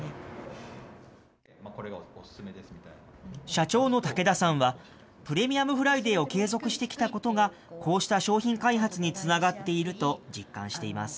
社長の竹田さんは、プレミアムフライデーを継続してきたことが、こうした商品開発につながっていると実感しています。